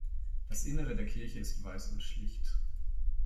Das Innere der Kirche ist weiß und schlicht.